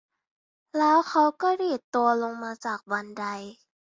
แล้วเขาก็ดีดตัวลงมาจากบันได